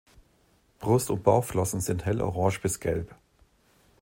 Brust- und Bauchflossen sind hellorange bis gelb.